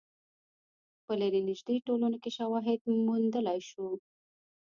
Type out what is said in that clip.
په لرې نژدې ټولنو کې شواهد موندلای شو.